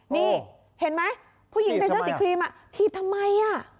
นี่เห็นไหมผู้หญิงเซเซอร์สิทธิ์ครีมถีบทำไม